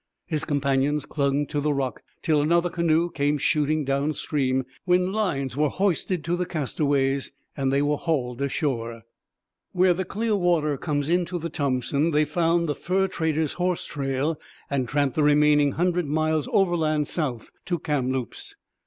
His companions clung to the rock till another canoe came shooting down stream, when lines were hoisted to the castaways, and they were hauled ashore. Where the Clearwater comes into the Thompson they found the fur trader's horse trail and tramped the remaining hundred miles overland south to Kamloops.